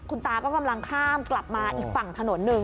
คุณตาก็กำลังข้ามกลับมาอีกฝั่งถนนหนึ่ง